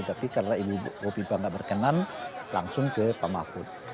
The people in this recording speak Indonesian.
tapi karena ibu hopi pak tidak berkenan langsung ke pak mahfud